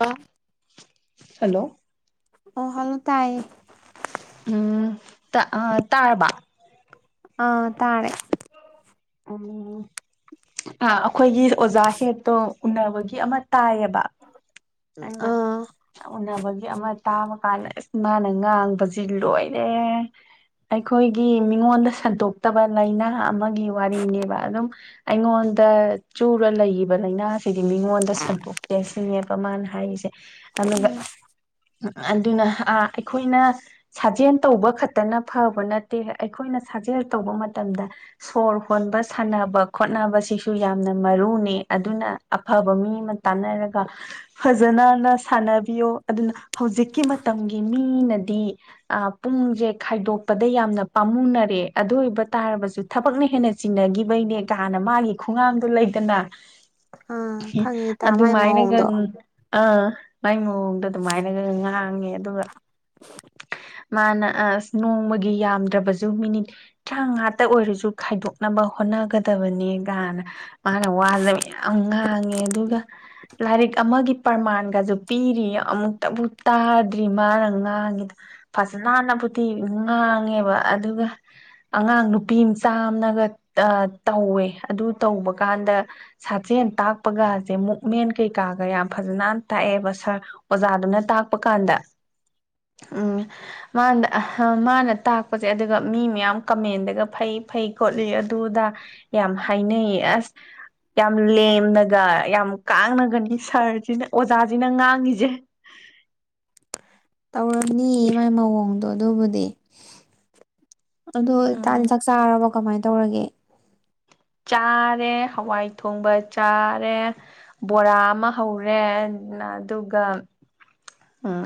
ꯑ ꯍꯜꯂꯣ ꯑꯣ ꯍꯜꯂꯣ ꯇꯥꯏ ꯎꯝ ꯇ ꯑ ꯇꯥꯕꯕ ꯑꯥ ꯇꯥꯅꯦꯦ ꯎ ꯑ ꯑꯩꯈꯣꯏꯒꯤ ꯑꯣꯖꯥ ꯍꯦ ꯑꯣ ꯎꯅꯕꯒꯤ ꯑꯃ ꯇꯥꯏꯌꯦꯕ ꯑꯩꯅ ꯑꯥ ꯎꯅꯕꯒꯤ ꯑꯃ ꯇꯥꯕ ꯅ ꯃꯥꯅ ꯉꯥꯡꯕꯁꯤ ꯂꯣꯏꯔꯦ ꯑꯩꯈꯣꯏꯒꯤ ꯃꯤꯉꯣꯟꯗ ꯁꯟꯗꯣꯛꯇꯕ ꯂꯥꯏꯅꯥ ꯑꯃꯒꯤ ꯋꯥꯔꯤꯅꯦꯕ ꯑꯗꯨꯝ ꯑꯩꯉꯣꯟꯗ ꯆꯨꯔ ꯂꯩꯕ ꯂꯥꯏꯅꯥ ꯍꯥꯏꯗꯤ ꯃꯤꯉꯣꯟꯗ ꯁꯟꯗꯣꯛ ꯆꯡꯁꯤꯉꯦꯕ ꯃꯥꯅ ꯍꯥꯏꯔꯤꯁꯦ ꯑꯗꯨꯒ ꯑꯗꯨꯅ ꯑꯩꯈꯣꯏꯅ ꯁꯥꯖꯦꯜ ꯇꯧꯕ ꯈꯛꯇꯅ ꯐꯕ ꯅꯠꯇꯦ ꯑꯩꯈꯣꯏꯅ ꯁꯥꯖꯦꯜ ꯇꯧꯕ ꯃꯇꯝꯗ ꯁꯣꯔ ꯍꯣꯟꯕ ꯁꯥꯟꯅꯕ ꯈꯣꯠꯅꯕꯁꯤꯁꯨ ꯌꯥꯝꯅ ꯃꯔꯨꯅꯦ ꯑꯗꯨꯅ ꯑꯐꯕ ꯃꯤ ꯑꯃ ꯇꯥꯟꯅꯔꯒ ꯐꯖꯅꯅ ꯁꯥꯟꯅꯕꯤꯌꯣ ꯑꯗꯨꯅ ꯍꯧꯖꯤꯛꯀꯤ ꯃꯇꯝꯒꯤ ꯃꯤꯅꯗꯤ ꯄꯨꯡꯁꯦ ꯈꯥꯏꯗꯣꯛꯄꯗ ꯌꯥꯝꯅ ꯄꯥꯝꯃꯨꯅꯔꯦ ꯑꯗꯨ ꯑꯣꯏꯕ ꯇꯥꯔꯕꯁꯨ ꯊꯕꯛꯅ ꯍꯦꯟꯅ ꯆꯤꯡꯅꯈꯤꯕꯩꯅꯦ ꯀꯅ ꯃꯥꯒꯤ ꯈꯣꯡꯒꯥꯡꯗꯣ ꯂꯩꯇꯅ ꯑꯥ ꯈꯪꯉꯦ ꯏꯇꯥ ꯃꯥꯏ ꯑꯗꯨꯃꯥꯏꯅꯒ ꯃꯑꯣꯡꯗꯣ ꯑꯥꯏ ꯎ ꯑꯗꯨ ꯑꯗꯨꯃꯥꯏꯅ ꯉꯦ ꯑꯗꯨ [unintelligible] ꯃꯥꯅ ꯑꯁ ꯅꯣꯡꯃꯒꯤ ꯌꯥꯝꯗ꯭ꯔꯕꯁꯨ ꯃꯤꯅꯤꯠ ꯇꯔꯥꯃꯉꯥꯇ ꯑꯣꯏꯔꯁꯨ ꯈꯥꯏꯗꯣꯛ ꯅꯕ ꯍꯣꯠꯅꯒꯗꯕꯅꯤ ꯅ ꯃꯥꯅ ꯋꯥꯗꯕ ꯌꯥꯝ ꯉꯥꯡꯉꯦ ꯑꯗꯨꯒ ꯂꯥꯏꯔꯤꯛ ꯑꯃꯒꯤ ꯄ꯭ꯔꯃꯥꯟꯒꯁꯨ ꯄꯤꯔꯤ ꯑꯃꯨꯛꯇꯕꯨ ꯇꯥꯗ꯭ꯔꯤ ꯃꯥꯅ ꯉꯥꯡꯉꯤꯗ ꯐꯖꯅꯅꯕꯨꯤ ꯉꯥꯡꯉꯦꯕ ꯑꯗꯨꯒ ꯑꯉꯥꯡ ꯅꯨꯄꯤ ꯃꯆꯥ ꯑꯃꯅꯒ ꯇꯧꯋꯦ ꯑꯗꯨ ꯇꯧꯕ ꯀꯥꯟꯗ ꯁꯥꯖꯦꯟ ꯇꯥꯛꯄꯒꯁꯦ ꯃꯨꯞꯃꯦꯟ ꯀꯩꯀꯥꯒ ꯌꯥꯝ ꯐꯖꯅ ꯇꯥꯛꯑꯦꯕ ꯁꯥꯔ ꯑꯣꯖꯥꯗꯨꯅ ꯇꯥꯛꯄ ꯀꯥꯟꯗ ꯎꯝ ꯃꯥꯅ ꯃꯥꯅ ꯇꯥꯛꯄꯁꯦ ꯑꯗꯨꯒ ꯃꯤ ꯃꯌꯥꯝ ꯀꯃꯦꯟꯗꯒ ꯐꯩ ꯐꯩ ꯈꯣꯠꯂꯤ ꯑꯗꯨꯗ ꯌꯥꯝ ꯍꯥꯏꯅꯩꯌꯦ ꯑꯁ ꯌꯥꯝ ꯂꯦꯝꯅꯒ ꯌꯥꯝ ꯀꯥꯡꯅꯒꯅꯤ ꯁꯥꯔꯁꯤꯅ ꯑꯣꯖꯥꯁꯤꯅ ꯉꯥꯡꯉꯁꯦ ꯇꯧꯔꯅꯤ ꯃꯥꯏ ꯃꯑꯣꯡꯗꯣ ꯑꯗꯨꯕꯨꯗꯤ ꯑꯗꯨꯣ ꯏꯇꯥꯥꯗꯤ ꯎꯝ ꯆꯥꯛ ꯆꯥꯔꯕꯣ ꯀꯃꯥꯏꯅ ꯇꯧꯔꯒꯦ ꯆꯥꯔꯦ ꯍꯋꯥꯏ ꯊꯣꯡꯕ ꯆꯥꯔꯦ ꯕꯣꯔꯥ ꯑꯃ ꯍꯧꯔꯦ ꯑꯗꯨꯒ ꯎꯝ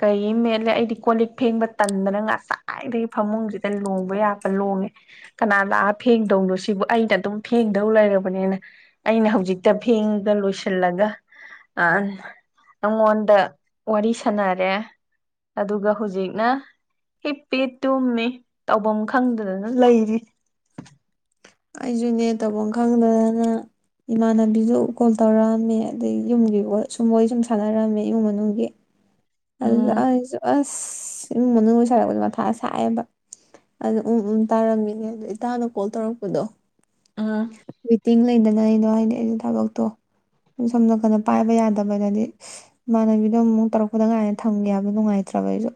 ꯀꯔꯤ ꯃꯦꯠꯂꯦ ꯑꯩꯗꯤ ꯀꯣ ꯂꯤꯛ ꯐꯦꯡꯕ ꯇꯟꯗꯅ ꯉꯁꯥꯏꯗꯒꯤ ꯐꯃꯨꯡꯁꯤꯗ ꯂꯣꯡꯕ ꯌꯥꯄ ꯂꯣꯡꯉꯦ ꯀꯅꯥ ꯂꯥꯛꯑ ꯐꯦꯡꯗꯧꯅꯣ ꯁꯤꯕꯨ ꯑꯩꯅ ꯑꯗꯨꯝ ꯐꯦꯡꯗꯧ ꯂꯩꯔꯕꯅꯤꯅ ꯑꯩꯅ ꯍꯧꯖꯤꯛꯇ ꯐꯦꯡꯒ ꯂꯣꯏꯁꯤꯜꯂꯒ ꯑ ꯅꯉꯣꯟꯗ ꯋꯥꯔꯤ ꯁꯥꯟꯅꯔꯦ ꯑꯗꯨꯒ ꯍꯧꯖꯤꯛꯅ ꯍꯤꯞꯄꯤ ꯇꯨꯝꯃꯤ ꯇꯧꯐꯝ ꯈꯪꯗꯗꯅ ꯂꯩꯔꯤ ꯑꯩꯁꯨꯅꯦ ꯇꯧꯐꯝ ꯈꯪꯗꯗꯅ ꯏꯃꯥꯟꯅꯕꯤꯗꯨ ꯀꯣꯜ ꯇꯧꯔꯛꯑꯝꯃꯦ ꯑꯗꯩ ꯌꯨꯝꯒꯤ ꯁꯨꯝꯕꯣꯏ ꯁꯨꯝ ꯁꯥꯟꯅꯔꯛꯝꯃꯦ ꯏꯃꯨꯡ ꯃꯅꯨꯡꯒꯤ ꯑꯗꯨꯁꯨ ꯎꯝ ꯑ ꯑꯁ ꯏꯃꯨꯡ ꯃꯅꯨꯡ ꯑꯣꯏ ꯁꯥꯔꯛꯄꯗꯣ ꯃꯊꯥ ꯁꯛꯑꯦꯕ ꯑꯗꯨ ꯎꯝ ꯎꯝ ꯇꯥꯔꯝꯃꯤꯅꯦ ꯑꯗꯣ ꯏꯇꯥꯅ ꯀꯣꯜ ꯇꯧꯔꯛꯄꯗꯣ ꯎꯝ [unintelligible] ꯇꯤꯡ ꯂꯩꯗꯅꯩꯅꯣ ꯍꯥꯏꯗꯤ ꯑꯩꯁꯦ ꯊꯕꯛꯇꯣ ꯁꯣꯝ ꯅꯥꯀꯗ ꯄꯥꯏꯕ ꯌꯥꯗꯕꯗꯗꯤ ꯏꯃꯥꯟꯅꯕꯤꯗꯣ ꯑꯃꯨꯛ ꯇꯧꯔꯛꯄꯗ ꯀꯥꯏꯅ ꯊꯝꯒꯦ ꯍꯥꯏꯕ ꯅꯨꯡꯉꯥꯏꯇ꯭ꯔꯕ ꯑꯩꯁꯨ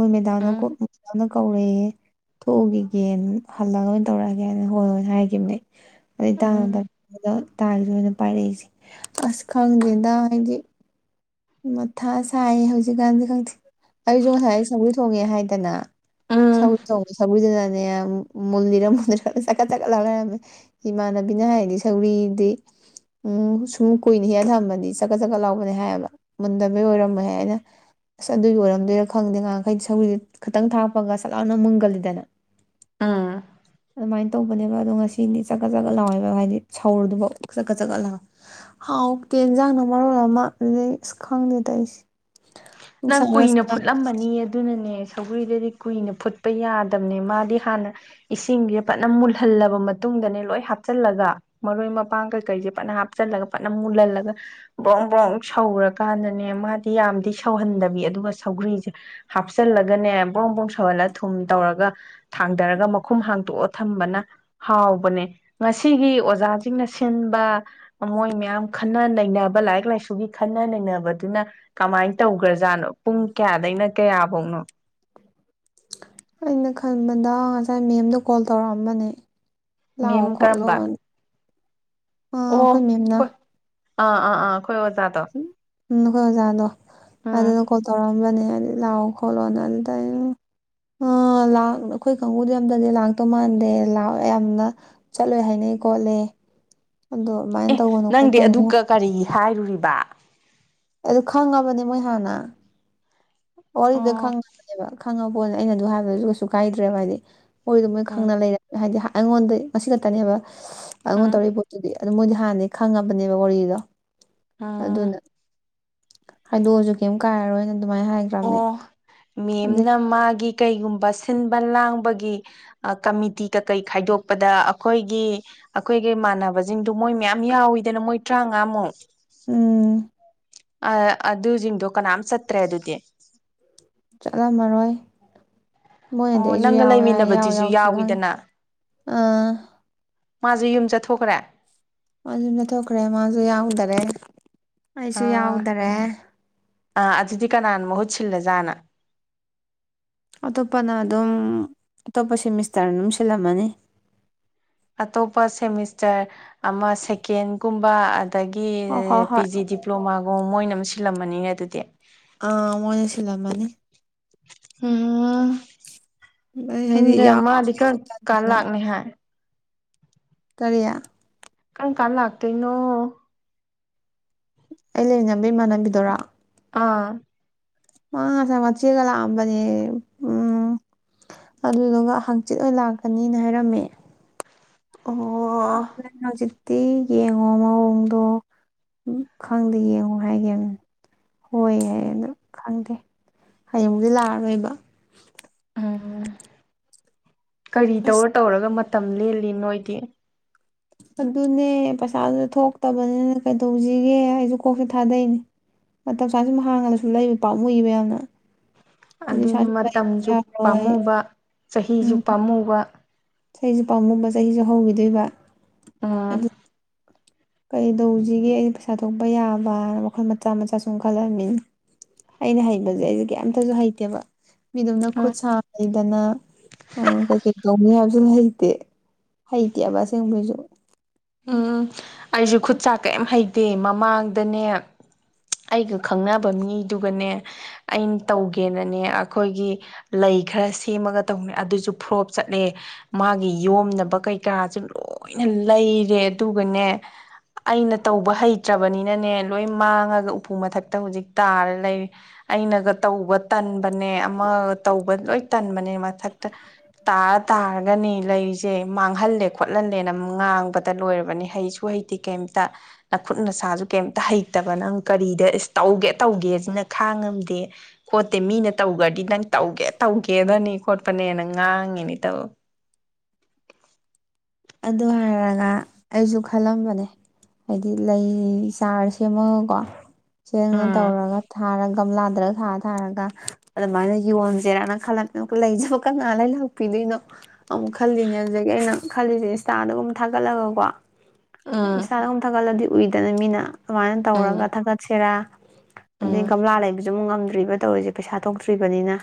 ꯣꯏ ꯃꯦꯗꯥ ꯃ ꯎꯝ ꯀꯧꯔꯛꯦ ꯊꯣꯛꯎꯒꯦ ꯌꯦꯟ ꯍꯜꯂꯒ ꯂꯣꯏꯅ ꯇꯧꯔꯛꯑꯒꯦꯅ ꯍꯣꯏ ꯍꯣꯏ ꯍꯥꯏꯒꯦ ꯀꯝꯅꯦ ꯑꯗꯨ ꯇꯥꯔꯗ ꯎꯝ ꯑꯣꯏꯅ ꯄꯥꯏꯔꯛꯏꯁꯦ ꯑꯁ ꯈꯪꯗꯦꯗ ꯍꯥꯏꯗꯤ ꯃꯊꯥ ꯁꯥꯏ ꯍꯧꯖꯤꯛꯀꯥꯟꯁ ꯈ ꯑꯩꯁꯨ ꯉꯁꯥꯏ ꯁꯒꯣꯏ ꯊꯣꯡꯉꯦ ꯍꯥꯏꯗꯅ ꯎꯝ ꯁꯣꯡ ꯁꯏꯗꯅ ꯃꯨꯟꯅꯤꯔ ꯃꯨꯟꯔ ꯆꯀꯠ ꯆꯀꯠ ꯂꯥꯎ ꯂꯩꯔꯝꯃꯦ ꯏꯃꯥꯟꯅꯕꯤꯅ ꯍꯥꯏꯔꯗꯤ ꯁꯧꯔꯤꯗꯤ ꯎꯝ ꯁꯨꯝ ꯀꯨꯏꯅ ꯍꯦꯟꯅ ꯊꯝꯕꯗꯤ ꯆꯥꯛꯀꯠ ꯆꯀꯠ ꯂꯥꯎꯕꯅꯦ ꯍꯥꯏꯌꯦꯕ ꯃꯨꯟꯗꯕꯩ ꯑꯣꯏꯔꯝꯃꯦꯍꯦ ꯍꯥꯏꯅ ꯑꯁ ꯑꯗꯨꯒꯤ ꯑꯣꯏꯔꯝꯗꯣꯏꯔꯥ ꯈꯪꯗꯦ ꯉꯍꯈꯩ ꯁꯧ ꯈꯤꯇꯪ ꯊꯥꯛꯄꯒ ꯁꯠ ꯂꯥꯎꯅ ꯃꯨꯟꯒꯜꯂꯤꯗꯅ ꯎꯝ ꯑꯗꯨ ꯃꯥꯏ ꯇꯧꯕꯅꯦꯕ ꯑꯗꯣ ꯉꯁꯤꯅꯤ ꯆꯠꯀꯠ ꯆꯠꯀꯠ ꯂꯥꯎꯋꯦꯕ ꯍꯥꯏꯗꯤ ꯁꯧꯔꯨꯗꯨꯕ ꯆꯀꯠ ꯆꯠꯀꯠ ꯂꯥꯎꯋꯦ ꯍꯥꯎ ꯇꯦꯟꯖꯥꯡꯅ ꯃꯔꯣ ꯑꯃ ꯈꯪꯅꯤꯗ ꯑ ꯑꯩꯁ ꯅꯪ ꯀꯨꯏꯅ ꯐꯨꯠꯂꯝꯃꯅꯤ ꯑꯗꯨꯅꯅꯦ ꯁꯧꯒ꯭ꯔꯤꯗꯗꯤ ꯀꯨꯏꯅ ꯐꯨꯠꯄ ꯌꯥꯗꯕꯅꯦ ꯃꯥꯗꯤ ꯍꯥꯟꯅ ꯏꯁꯤꯡꯁꯦ ꯐꯖꯅ ꯃꯨꯜꯍꯜꯂꯕ ꯃꯇꯨꯡꯗꯅꯦ ꯂꯣꯏ ꯍꯥꯞꯆꯜꯂꯒ ꯃꯔꯣꯏ ꯃꯄꯥꯡ ꯀꯩꯀꯩꯁꯦ ꯐꯖꯅ ꯍꯥꯞꯆꯜꯂꯒ ꯐꯖꯅ ꯃꯨꯜꯍꯜꯂꯒ ꯕ꯭ꯔꯣꯡ ꯕ꯭ꯔꯣꯡ ꯁꯧꯔꯀꯥꯟꯗꯅꯦ ꯃꯥꯗꯤ ꯌꯥꯝꯗꯤ ꯁꯧꯍꯟꯗꯕꯤ ꯑꯗꯨꯒ ꯁꯧꯒ꯭ꯔꯤꯁꯦ ꯍꯥꯞꯆꯜꯂꯒꯅꯦ ꯕ꯭ꯔꯣꯡ ꯕ꯭ꯔꯣꯡ ꯁꯧꯍꯜꯂ ꯊꯨꯝ ꯇꯧꯔꯒ ꯊꯥꯡꯗꯔꯒ ꯃꯈꯨꯝ ꯍꯥꯡꯇꯣꯛꯑ ꯊꯝꯕꯅ ꯍꯥꯎꯕꯅꯦ ꯉꯁꯤꯒꯤ ꯑꯣꯖꯥꯁꯤꯡꯅ ꯁꯤꯟꯕ ꯃꯣꯏ ꯃꯌꯥꯝ ꯈꯟꯅ ꯅꯩꯅꯕ ꯂꯥꯏꯔꯤꯛ ꯂꯥꯏꯁꯨꯒꯤ ꯈꯟꯅ ꯅꯩꯅꯕꯗꯨꯅ ꯀꯃꯥꯏ ꯇꯧꯈ꯭ꯔꯖꯥꯠꯅꯣ ꯄꯨꯡ ꯀꯌꯥꯗꯩꯅ ꯀꯌꯥꯐꯧꯅꯣ ꯑꯩꯅ ꯈꯟꯕꯗ ꯉꯁꯥꯏ ꯃꯦꯝꯗꯣ ꯀꯣꯜ ꯇꯧꯔꯛꯑꯝꯕꯅꯦ ꯂꯥꯑꯣ ꯃꯦꯝ ꯀꯔꯝꯕ ꯈꯣꯠꯂꯣꯅ ꯑ ꯑꯩꯈꯣꯏ ꯃꯦꯝꯅ ꯑꯥ ꯑꯥ ꯑꯥ ꯑꯈꯣꯏ ꯑꯣꯖꯥꯗꯣ ꯎꯝ ꯑꯈꯣꯏ ꯑꯣꯖꯥꯗꯣ ꯎꯝ ꯑꯗꯨꯅ ꯀꯣꯜ ꯇꯧꯔꯛꯑꯃꯕꯅꯦ ꯑꯗꯨꯗꯤ ꯂꯥꯛꯑꯣ ꯈꯣꯠꯂꯣꯅ ꯑꯗꯨꯗ ꯑꯩꯅ ꯑ ꯂꯥꯛ ꯑꯩꯈꯣꯏ ꯀꯥꯡꯒꯨꯗꯤ ꯑꯝꯇꯗꯤ ꯂꯥꯛꯇꯣ ꯃꯥꯟꯗꯦ ꯂꯥꯛꯑꯣꯏ ꯌꯥꯝꯅ ꯆꯠꯂꯣꯏ ꯍꯥꯏꯅꯩ ꯈꯣꯠꯂꯦ ꯑꯗꯣ ꯑꯦ ꯑꯗꯨꯃꯥꯏꯅ ꯇꯧꯒꯅꯨ ꯅꯪꯗꯤ ꯑꯗꯨ ꯈꯣꯠꯀꯅꯨ ꯀ ꯀꯔꯤ ꯍꯥꯏꯔꯨꯔꯤꯕ ꯑꯗꯨ ꯈꯪꯉꯕꯅꯦ ꯃꯣꯏ ꯍꯥꯟꯅ ꯋꯥꯔꯤꯗ‌ꯣ ꯑꯣ ꯈꯪ [unintelligible] ꯈꯪꯉꯕꯣꯅ ꯑꯩꯅ ꯑꯗꯨ ꯍꯥꯏꯕꯗꯨꯁꯨ ꯀꯩꯁꯨ ꯀꯥꯏꯗ꯭ꯔꯦꯕ ꯍꯥꯏꯗꯤ ꯋꯥꯔꯤꯗꯨ ꯃꯣꯏ ꯎꯝ ꯈꯪꯅ ꯂꯩꯔ ꯍꯥꯏꯗꯤ ꯑꯩꯉꯣꯟꯗ ꯑꯁꯤ ꯈꯛꯇꯅꯦꯕ ꯑꯉꯣꯟ ꯎꯝ ꯇꯧꯔꯤ ꯄꯣꯠꯇꯨꯗꯤ ꯑꯗꯨ ꯃꯣꯏꯗꯤ ꯍꯥꯟꯗꯩ ꯈꯪꯉꯕꯅꯦꯕ ꯋꯥꯔꯤꯗꯣ ꯎꯝ ꯍꯥꯏꯗꯣꯛ ꯑꯖꯨ ꯀꯩꯝ ꯀꯥꯏꯔꯔꯣꯏꯅ ꯑꯗꯨꯃꯥꯏꯅ ꯍꯥꯏꯒ꯭ꯔꯝꯅꯤ ꯑꯣ ꯃꯦꯝꯅ ꯃꯥꯒꯤ ꯀꯩꯒꯨꯝꯕ ꯁꯤꯟꯕ ꯂꯥꯡꯕꯒꯤ ꯑ ꯀꯃꯤꯇꯤ ꯀꯩꯀꯩ ꯈꯥꯏꯗꯣꯛꯄꯗ ꯑꯩꯈꯣꯏꯒꯤ ꯑꯩꯈꯣꯏꯒꯤ ꯃꯥꯟꯅꯕꯁꯤꯡꯗꯨ ꯃꯣꯏ ꯃꯌꯥꯝ ꯌꯥꯎꯋꯤꯗꯅ ꯃꯣꯏ ꯇꯔꯥꯉꯥꯃꯨꯛ ꯎꯝ ꯑꯩ ꯑꯗꯨꯖꯤꯡꯗꯨ ꯀꯅꯥꯝ ꯆꯠꯇ꯭ꯔꯦ ꯑꯗꯨꯗꯤ [inaudible] ꯆꯠꯂꯝꯃꯔꯣꯏ ꯃꯣꯏꯅꯗꯤ ꯑꯣ ꯑꯩꯁꯨ ꯅꯪꯒ ꯌꯥꯎꯋꯦ ꯍꯥꯏ ꯌꯥꯥꯎ ꯂꯩꯃꯤꯟꯅꯕꯗꯨꯁꯨ ꯌꯥꯎꯗ꯭꯭ꯔꯤꯔ ꯈꯪꯗꯦ ꯌꯥꯎꯋꯤꯗꯅ ꯑꯥ ꯃꯥꯁꯦ ꯌꯨꯝ ꯆꯠꯊꯣꯛꯈ꯭ꯔꯦ ꯃꯥꯁꯨꯨ ꯌꯨꯝ ꯆꯊꯣꯛꯈ꯭ꯔꯦ ꯃꯥꯁꯨ ꯌꯥꯎꯗꯔꯦ ꯑꯩꯁꯨ ꯑꯥ ꯌꯥꯎꯗꯔꯦ ꯑꯥ ꯑꯗꯨꯗꯤ ꯀꯅꯥꯅ ꯃꯍꯨꯠ ꯁꯤꯜꯂ ꯖꯥꯠꯅꯣ ꯑꯇꯣꯞꯄꯅ ꯑꯗꯨꯝ ꯑꯇꯣꯞꯄ ꯁꯦꯃꯤꯁꯇꯔꯅ ꯑꯗꯨꯝ ꯁꯤꯜꯂꯝꯃꯅꯤ ꯑꯇꯣꯞꯄ ꯁꯦꯃꯤꯁꯇꯔ ꯑꯃ ꯁꯦꯀꯦꯟꯒꯨꯝꯕ ꯑꯗꯒꯤ ꯍꯣꯏ ꯍꯣꯏ ꯄꯤ ꯍꯣꯏ ꯖꯤ ꯗꯤꯄ꯭ꯂꯣꯃꯥ ꯑꯣ ꯃꯣꯏꯅꯝ ꯁꯤꯜꯂꯝꯃꯅꯤꯅꯦ ꯑꯗꯨꯗꯤ ꯑꯥ ꯃꯣꯏꯅ ꯁꯤꯜꯂꯝꯃꯅꯤ ꯎꯝ ꯑꯩ ꯍꯥꯏꯗꯤ ꯌꯨꯝꯗꯩ ꯌꯥꯎ ꯃꯗꯤ ꯀꯔ ꯀꯜ ꯇꯟꯗꯅ ꯂꯥꯛꯅꯦ ꯍꯥꯏ ꯀꯔꯤ ꯀꯔꯝ ꯀꯥꯟ ꯂꯥꯛꯇꯣꯏꯅꯣ ꯑꯩ ꯂꯩꯃꯤꯟꯅꯕ ꯏꯃꯥꯟꯅꯕꯤꯗꯨꯔ‌ꯣ ꯑꯥ ꯃꯥ ꯉꯁꯥꯏ ꯃꯆꯦꯒ ꯂꯥꯛꯑꯝꯕꯅꯦ ꯎꯝ ꯑꯗꯨꯗꯨꯒ ꯍꯪꯆꯤꯠ ꯑꯣꯏꯅ ꯂꯥꯛꯀꯅꯤꯅ ꯍꯥꯏꯔꯝꯃꯦ ꯋꯥ ꯇꯤ ꯌꯦꯡꯉꯣ ꯃꯑꯣꯡꯗꯣ ꯈꯪꯗꯦ ꯌꯦꯡꯉꯣ ꯍꯥꯏꯒꯦ ꯍꯣꯏ ꯌꯥꯏ ꯑ ꯈꯪꯗꯦ ꯍꯌꯦꯡꯗꯤ ꯂꯥꯛꯑꯔꯣꯏꯕ ꯎꯝ ꯀꯔꯤ ꯑꯁ ꯇꯧꯔ ꯇꯧꯔꯒ ꯇ ꯂꯦꯜꯂꯤ ꯅꯣꯏꯗꯤ ꯑꯗꯨꯅꯦ ꯄꯩꯁꯥꯗꯨꯗ ꯊꯣꯛꯇꯕꯅꯤꯅ ꯀꯩꯗꯧꯁꯤꯒꯦ ꯑꯩꯁꯨ ꯀꯣꯛꯁꯨꯦ ꯊꯥꯗꯩꯅꯦ ꯃꯇꯝ ꯆꯥꯅ ꯁꯨꯝ ꯍꯥꯡꯉꯒꯁꯨ ꯂꯩꯕ ꯄꯥꯛ ꯃꯨꯏꯕ ꯌꯥꯝꯅ ꯑꯗꯨ ꯑꯗꯨꯅꯤ ꯏꯁꯥꯁꯨ ꯂꯩꯕꯁꯨ ꯃꯇꯝꯁꯨ ꯌꯥꯔꯣꯏ ꯄꯥꯝꯃꯨꯧꯕ ꯆꯍꯤꯁꯨ ꯄꯥꯝꯃꯨꯧꯕ ꯆꯍꯤꯁ ꯄꯥꯝꯃꯨꯝꯕ ꯆꯍꯤꯁꯨ ꯍꯧꯈꯤꯗꯣꯏꯕ ꯑꯥ ꯑꯗꯨ ꯀꯩꯗꯧꯁꯤꯒꯦ ꯑꯩꯁ ꯄꯩꯁꯥ ꯊꯣꯛꯄ ꯌꯥꯕꯅ ꯋꯥꯈꯜ ꯃꯆꯥ ꯃꯆꯥ ꯁꯨꯝ ꯈꯜꯂꯃꯤꯅꯤ ꯑꯩꯅ ꯍꯩꯕꯁꯦ ꯑꯩꯁꯦ ꯀꯩꯝꯇꯁꯨ ꯍꯩꯇꯦꯕ ꯃꯤꯗꯨꯝꯅ ꯎꯝ ꯈꯨꯠ ꯁꯥ ꯍꯩꯗꯅ ꯀꯩ ꯀꯩ ꯇꯧꯅꯤ ꯍꯥꯏꯕ ꯍꯩꯇꯦ ꯍꯩꯇꯦꯕꯁꯦꯡꯕꯩꯁꯨ ꯎꯝ ꯑꯩꯁꯨ ꯈꯨꯠꯁꯥꯛ ꯀꯩꯝ ꯍꯩ ꯗꯦ ꯃꯃꯥꯡꯗꯅꯦ ꯑꯩꯒ ꯈꯪꯅꯕ ꯃꯤꯗꯨꯒꯅꯦ ꯑꯩꯅ ꯇꯧꯒꯦꯅꯅꯦ ꯑꯩꯈꯣꯏꯒꯤ ꯂꯩ ꯈꯔ ꯁꯦꯝꯃꯒ ꯇꯧꯅꯦ ꯑꯗꯨꯁꯨ ꯐ꯭ꯔꯣꯞ ꯆꯠꯂꯦ ꯃꯥꯒꯤ ꯌꯣꯝꯅꯕ ꯀꯩꯀꯔꯁꯨ ꯂꯣꯏꯅ ꯂꯩꯔꯦ ꯑꯗꯨꯒꯅꯦ ꯑꯩꯅ ꯇꯧꯕ ꯍꯩꯇ꯭ꯔꯕꯅꯤꯅꯅꯦ ꯂꯣꯏ ꯃꯥꯡꯉꯒ ꯎꯐꯨ ꯃꯊꯛꯇ ꯍꯧꯖꯤꯛ ꯇꯥꯔ ꯂꯩ ꯑꯩꯅꯒ ꯇꯧꯕ ꯇꯟꯕꯅꯦ ꯑꯃꯒ ꯇꯧꯕ ꯂꯣꯏ ꯇꯟꯕꯅꯦ ꯃꯊꯛꯇ ꯇꯥꯔ ꯇꯥꯔꯒꯅꯤ ꯂꯩꯁꯦ ꯃꯥꯡꯍꯜꯂꯦ ꯈꯣꯠꯍꯜꯂꯦꯅ ꯉꯥꯡꯕꯗ ꯂꯣꯏꯔꯕꯅꯤ ꯍꯩꯁꯨ ꯍꯩꯇꯦ ꯀꯩꯝꯇ ꯈꯨꯠ ꯅꯁꯥꯁꯨ ꯀꯩꯝꯇ ꯍꯩꯇꯕ ꯅꯪ ꯀꯔꯤꯗ ꯇꯧꯒꯦ ꯇꯧꯒꯦꯁꯤꯅ ꯈꯥꯡꯉꯝꯗꯦ ꯈꯣꯠꯇꯦ ꯃꯤꯅ ꯇꯧꯈ꯭ꯔꯗꯤ ꯅꯪ ꯇꯧꯒꯦ ꯇꯧꯒꯦꯗꯅꯤ ꯈꯣꯠꯄꯅꯦꯅꯪ ꯉꯥꯡꯉꯤꯅꯦ ꯇꯧ ꯑꯗꯨ ꯍꯥꯏꯔꯒ ꯑꯩꯁꯨ ꯈꯜꯂꯝꯕꯅꯦ ꯍꯥꯏꯗꯤ ꯂꯩ ꯆꯥꯔ ꯁꯦꯝꯃꯒꯀꯣ ꯆꯦꯡꯉ ꯎꯝ ꯇꯧꯔꯒ ꯊꯥꯔꯒ ꯀꯝ ꯂꯥꯗ꯭ꯔ ꯊꯥꯔ ꯊꯥꯔꯒ ꯑꯗꯨꯃꯥꯏꯅ ꯌꯣꯟꯁꯤꯦꯔꯥꯅ ꯈꯜꯂ ꯂꯩꯖꯕ ꯀꯅꯥꯥ ꯂꯩ ꯂꯥꯛꯄꯤꯗꯣꯏꯅꯣ ꯑꯃꯨꯛ ꯈꯜꯂꯤꯅꯦ ꯑꯗꯨꯗꯒꯤ ꯑꯩꯅ ꯈꯜꯂꯤꯁꯦ ꯏꯟꯁꯇꯥꯗꯒꯨꯝ ꯊꯥꯒꯠꯂꯒꯀꯣ ꯎꯝ ꯁꯥꯟꯍꯨꯝ ꯊꯒꯂꯗꯤ ꯎꯨꯏꯗꯅ ꯃꯤꯅ ꯑꯗꯨꯃꯥꯏꯅ ꯇꯧꯔꯒ ꯎꯝ ꯊꯥꯀꯠꯁꯤꯔꯥ ꯑꯗꯩ ꯎꯝ ꯒꯝꯂꯥ ꯂꯩꯕꯁꯨ ꯑꯃꯨꯛ ꯉꯝꯗꯦ ꯇ꯭ꯔꯤꯕ ꯇꯧꯔꯤꯁꯦ ꯄꯩꯁꯥ ꯊꯣꯛꯇ꯭ꯔꯤꯕꯅꯤꯅ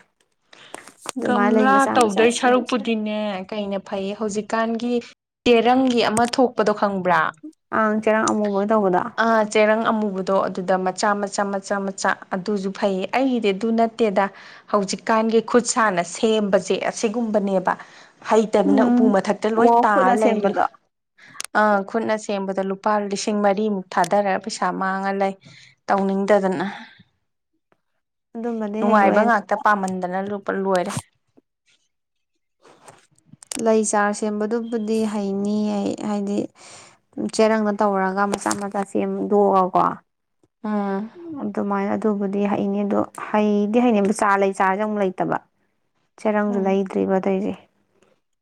ꯑꯗꯨꯃꯥꯏꯅ ꯂꯩ ꯒꯝꯂꯥ ꯃꯆꯥ ꯃꯆꯥ ꯇꯧꯗꯣꯏ ꯁꯦꯝꯁꯦ ꯁꯔꯨꯛꯄꯨꯗꯤꯅꯦ ꯀꯩꯅ ꯐꯩ ꯍꯧꯖꯤꯛꯀꯥꯟꯒꯤ ꯇꯦꯔꯪꯒꯤ ꯑꯃ ꯊꯣꯛꯄꯗ ꯈꯪꯕ꯭ꯔꯥ ꯀꯔꯥꯡ ꯑꯃꯨꯕꯒ ꯇꯧꯕꯗ ꯈꯤꯇꯪ ꯑꯃꯨꯕꯗꯣ ꯑꯗꯨꯗ ꯃꯆꯥ ꯃꯆꯥ ꯃꯆꯥ ꯃꯆꯥ ꯑꯗꯨꯁꯨ ꯐꯩꯌꯦ ꯑꯩꯒꯤꯗꯤ ꯑꯗꯨ ꯅꯠꯇꯦꯗ ꯍꯧꯖꯤꯛꯀꯥꯟꯒꯤ ꯈꯨꯠ ꯁꯥꯅ ꯁꯦꯝꯕꯁꯦ ꯑꯁꯤꯒꯨꯝꯕꯅꯦꯕ ꯍꯩꯇꯕꯅ ꯎꯄꯨ ꯎꯝ ꯃꯊꯛꯇ ꯂꯣꯏ ꯑꯣ ꯇꯥꯔ ꯈꯨꯠꯅ ꯂꯩ ꯂ ꯁꯦꯝꯕꯗꯣ ꯑ ꯈꯨꯠ ꯑꯁꯤ ꯁꯦꯝꯕ ꯂꯨꯄꯥ ꯂꯤꯁꯤꯡ ꯃꯔꯤꯃꯨꯛ ꯊꯥꯗꯔꯒ ꯄꯩꯁꯥ ꯃꯥꯡꯉ ꯂꯩ ꯇꯧꯅꯤꯡꯗꯗꯅ ꯑꯗꯨꯝꯕꯗꯤ ꯍꯩꯔꯣꯏ ꯅꯨꯡꯉꯥꯏꯕ ꯑꯗꯨ ꯉꯥꯛꯇ ꯄꯥꯝꯃꯟꯗꯅ ꯂꯨ ꯂꯣꯏꯔꯦ [unintelligible] ꯂꯩ ꯆꯥꯔ ꯁꯦꯝꯕꯗꯨꯕꯨꯗꯤ ꯍꯩꯅꯤ ꯍꯥꯏꯗꯤ ꯆꯦꯔꯪꯅ ꯇꯧꯔꯒ ꯃꯆꯥ ꯃꯆꯥ ꯁꯦꯝꯗꯣꯛꯒꯀꯣ ꯎꯝ ꯑꯗꯨꯃꯥꯏ ꯑꯗꯨ ꯑꯗꯨꯕꯨꯗꯤ ꯍꯩꯅꯦ ꯑꯗꯣ ꯍꯩꯗꯤ ꯍꯩꯅꯦ ꯆꯥꯔ ꯂꯩ ꯆꯥꯔꯁꯦ ꯑꯃꯨꯛ ꯂꯩꯇꯕ ꯆꯔꯪꯁꯨ ꯎꯝ ꯂꯩꯇ꯭ꯔꯤꯕ ꯑꯗꯏꯁꯦ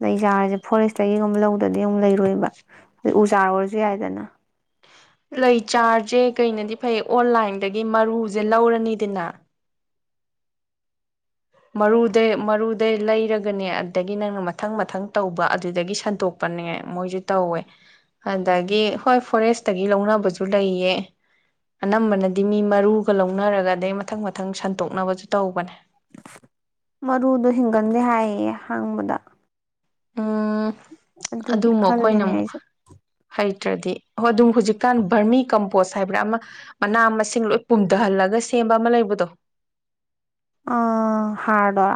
ꯂꯩ ꯆꯥꯔꯁꯦ ꯐꯣꯔꯦꯁꯇꯒꯤꯒꯨꯝꯕ ꯂꯧꯗ꯭ꯔꯗꯤ ꯑꯃꯨꯛ ꯂꯩꯔꯣꯏꯕ ꯑꯗꯨ ꯎ ꯆꯥꯔ ꯑꯣꯏꯔꯁꯨ ꯌꯥꯏꯗꯅ ꯂꯩ ꯆꯥꯔꯁꯦ ꯀꯩꯅꯗꯤ ꯐꯩ ꯑꯣꯟꯂꯥꯏꯟꯗꯒꯤ ꯃꯔꯨꯁꯦ ꯂꯧꯔꯅꯤꯗꯅ ꯃꯔꯨꯗꯩ ꯃꯔꯨꯗꯩ ꯂꯩꯔꯒꯅꯦ ꯑꯗꯨꯗꯒꯤ ꯅꯪꯅ ꯃꯊꯪ ꯃꯊꯪ ꯇꯧꯕ ꯑꯗꯨꯗꯒꯤ ꯁꯟꯇꯣꯛꯄꯅꯦ ꯃꯣꯏꯁꯨ ꯇꯧꯋꯦ ꯑꯗꯒꯤ ꯍꯣꯏ ꯐꯣꯔꯦꯁꯇꯒꯤ ꯂꯧꯅꯕꯁꯨ ꯂꯩꯌꯦ ꯑꯅꯝꯕꯅꯗꯤ ꯃꯤ ꯃꯔꯨꯒ ꯂꯧꯅꯔꯒ ꯑꯗꯗꯒꯤ ꯃꯊꯪ ꯃꯊꯪ ꯁꯟꯇꯣꯛꯅꯕꯁꯨ ꯇꯧꯕꯅꯦ ꯃꯔꯨꯗꯣ ꯍꯤꯡꯒꯟꯗꯦ ꯍꯥꯏꯌꯦ ꯍꯥꯡꯕꯗ ꯎꯝ ꯑꯗꯨꯒꯤ ꯑꯗꯨꯃ ꯑꯩꯈꯣꯏꯅ ꯈꯜꯂꯤꯅꯦ ꯑꯃꯨꯛ ꯑꯩꯁꯨ ꯍꯥꯏ ꯅꯠꯇ꯭ꯔꯗꯤ ꯑꯣ ꯑꯗꯨꯝ ꯍꯧꯖꯤꯛꯀꯥꯟ ꯕꯔꯃꯤ ꯀꯝꯄꯣꯁ ꯍꯥꯏꯕ꯭ꯔꯥ ꯑꯃ ꯃꯅꯥ ꯃꯁꯤꯡ ꯂꯣꯏ ꯄꯨꯝꯊꯍꯜꯂꯒ ꯁꯦꯝꯕ ꯑꯃ ꯂꯩꯕꯗꯣ ꯑ ꯍꯥꯔꯗꯣꯔ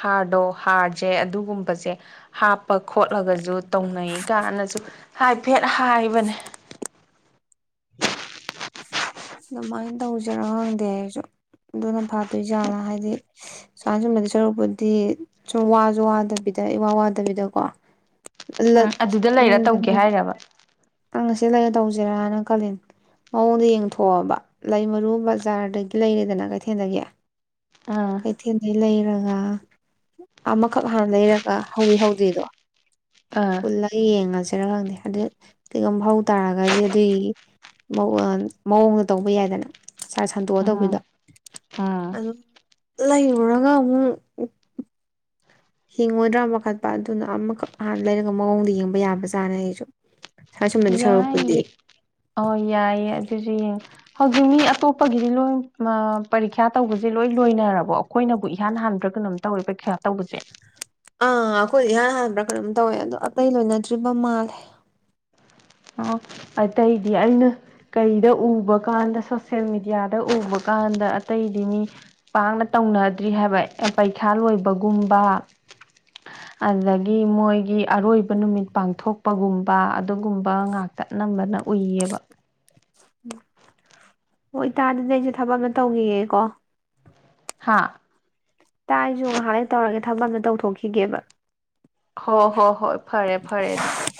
ꯍꯥꯔꯗꯣ ꯍꯥꯔꯁꯦ ꯑꯗꯨꯒꯨꯝꯕꯁꯦ ꯍꯥꯞ ꯄ ꯈꯣꯠꯂꯒꯁꯨ ꯇꯧꯅꯩ ꯀꯥꯏꯅꯁꯨ ꯍꯥꯏ ꯐꯦꯠ ꯍꯥꯏꯕꯅꯦ ꯑꯗꯨꯃꯥꯏꯅ ꯇꯧꯁꯤꯔꯥ ꯈꯪꯗꯦ ꯍꯥꯏꯔꯁꯨ ꯑꯗꯨꯅ ꯐꯥꯠꯇꯣꯏ ꯖꯥꯠꯂꯥ ꯍꯥꯏꯗꯤ ꯁꯨꯥ ꯁꯨꯝꯕꯗꯤ ꯁꯔꯨꯛꯄꯨꯗꯤ ꯁꯨꯝ ꯋꯥꯁꯨ ꯋꯥꯗꯕꯤꯗ ꯋꯥ ꯋꯥꯗꯕꯤꯗꯀꯣ ꯎꯝ ꯂꯠ ꯑꯗꯨꯗ ꯂꯩꯔ ꯇꯧꯒꯦ ꯍꯥꯏꯔꯕ ꯅꯪ ꯉꯁꯤ ꯂꯩꯔ ꯇꯧꯁꯤꯦꯔꯥꯅ ꯈꯜꯂꯤ ꯃꯑꯣꯡꯗ ꯌꯦꯡꯊꯣꯛꯑꯕ ꯂꯩ ꯃꯔꯨ ꯕꯖꯥꯔꯗꯒꯤ ꯂꯩꯔꯦꯗꯅ ꯀꯩꯊꯦꯜꯗꯒꯤ ꯑꯥ ꯀꯩꯊꯦꯜꯗꯩ ꯂꯩꯔꯒ ꯑ ꯑꯃꯈꯛ ꯍꯥꯟꯅ ꯂꯩꯔꯒ ꯍꯧꯋꯤ ꯍꯧꯗꯦꯗꯣ ꯑꯥ ꯐꯜꯂ ꯍ ꯌꯦꯉꯁꯦ ꯔ ꯈꯪꯗꯦ ꯑꯗꯨ ꯀꯩꯒꯨꯝ ꯍꯧ ꯇꯥꯔꯒꯗꯤ ꯑꯗꯨꯒꯤꯒꯤ ꯃꯑꯣꯡꯗ ꯇꯧꯕ ꯌꯥꯏꯗꯅ ꯁꯥꯔ ꯁꯟꯇꯣꯛꯑ ꯇꯧꯕꯤꯗꯣ ꯎꯝ ꯎꯝ ꯑꯗꯨ ꯂꯩꯔꯨꯔꯒ ꯑꯃꯨꯛ ꯍꯤꯡꯉꯣꯏꯗ꯭ꯔꯥ ꯃꯈꯈꯠꯄ ꯑꯗꯨꯅ ꯑꯃꯈꯛ ꯍꯥꯟꯅ ꯂꯩꯔꯒ ꯃꯑꯣꯡꯗ ꯌꯦꯡꯕ ꯌꯥꯕꯖꯥꯠꯅ ꯑꯩꯁꯨ ꯁꯥꯁꯨꯝꯕꯗꯤ ꯁꯔꯨꯛꯄꯨꯗꯤ ꯌꯥꯏ ꯑꯣ ꯌꯥꯏ ꯌꯥꯏ ꯁꯤꯁꯦ ꯌꯦꯡꯉ ꯍꯧꯖꯤꯛ ꯃꯤ ꯑꯇꯣꯞꯄꯒꯤꯗꯤ ꯂꯣꯏ ꯄꯔꯤꯈ꯭ꯌꯥ ꯇꯧꯕꯁꯦ ꯂꯣꯏ ꯂꯣꯏꯅꯔꯕꯣ ꯑꯩꯈꯣꯏꯅꯕꯨ ꯏꯍꯥꯟ ꯍꯥꯟꯕ꯭ꯔ ꯀꯩꯅꯣꯝ ꯇꯧꯋꯦ ꯄꯩ ꯑ ꯑꯈꯣꯏ ꯌꯥ ꯑꯗꯨꯝ ꯇꯧꯋꯦ ꯑꯗꯣ ꯑꯇꯩ ꯂꯣꯏꯅꯗ꯭ꯔꯤꯕ ꯃꯥꯜꯂꯦ ꯑꯣ ꯑꯇꯩꯗꯤ ꯑꯩꯅ ꯀꯩꯗ ꯎꯕ ꯀꯥꯟꯗ ꯁꯣꯁꯦꯜ ꯃꯦꯗꯤꯌꯥꯗ ꯎꯕ ꯀꯥꯟꯗ ꯑꯇꯩꯗꯤ ꯃꯤ ꯄꯥꯛꯅ ꯇꯧꯅꯗ꯭ꯔꯤ ꯍꯥꯏꯕ ꯄꯩꯈꯥ ꯂꯣꯏꯕꯒꯨꯝꯕ ꯑꯗꯒꯤ ꯃꯣꯏꯒꯤ ꯑꯔꯣꯏꯕ ꯅꯨꯃꯤꯠ ꯄꯥꯡꯊꯣꯛꯄꯒꯨꯝꯕ ꯑꯗꯨꯒꯨꯝꯕ ꯉꯥꯛꯇ ꯅꯝꯕꯅ ꯎꯏꯌꯦꯕ ꯎ ꯍꯣꯏꯇꯥꯗꯗꯤ ꯑꯩꯁꯦ ꯊꯕꯛꯅ ꯇꯧꯈꯤꯌꯦꯦꯀꯣ ꯍꯥꯥ ꯇꯥꯏꯁꯨ ꯉꯥꯏꯍꯥꯛ ꯇꯧꯔꯒꯦ ꯊꯕꯛ ꯑ ꯑꯃꯇ ꯇꯧꯊꯣꯛꯈꯤꯒꯦꯕ ꯍꯣ ꯍꯣ ꯍꯣꯏ ꯐꯔꯦ ꯐꯔꯦ ꯑꯗꯨꯗꯤ